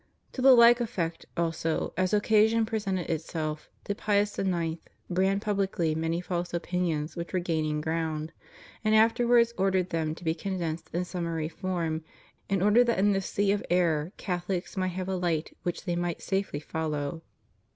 To the like effect, also, as occasion presented itself, did Pius IX. brand publicly many false opinions which were gaining ground, and afterwards ordered them to be condensed in sum mary form in order that in this sea of error Catholics might have a hght which they might safely follow.